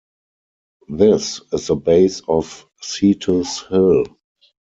This is the base of Cetus Hill.